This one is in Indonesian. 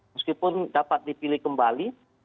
meskipun dapat dipilih kembali